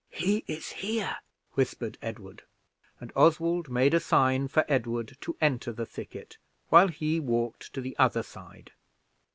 "He is here," whispered Edward; and Oswald made a sign for Edward to enter the thicket, while he walked to the other side.